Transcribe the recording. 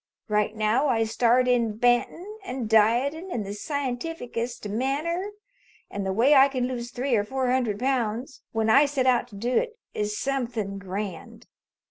Right now I start in bantin' and dietin' in the scientific est manner an' the way I can lose three or four hundred pounds when I set out to do it is something grand.